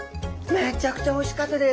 めちゃくちゃおいしかったです。